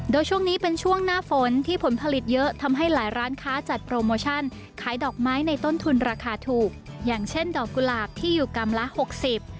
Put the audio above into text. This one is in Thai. โดยช่วงนี้เป็นช่วงหน้าฝนที่ผลผลิตเยอะทำให้หลายร้านค้าจัดโปรโมชั่นขายดอกไม้ในต้นทุนราคาถูกอย่างเช่นดอกกุหลาบที่อยู่กรัมละหกสิบ